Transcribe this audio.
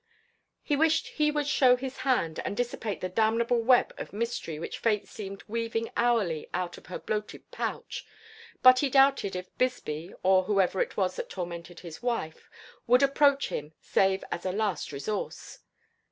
He wished he would show his hand and dissipate the damnable web of mystery which Fate seemed weaving hourly out of her bloated pouch, but he doubted if Bisbee, or whoever it was that tormented his wife, would approach him save as a last resource.